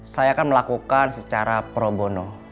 saya kan melakukan secara pro bono